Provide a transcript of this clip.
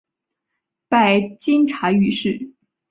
拜监察御史。